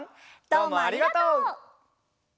どうもありがとう！